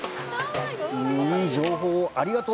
いい情報をありがとう！